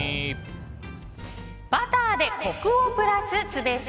バターでコクをプラスすべし。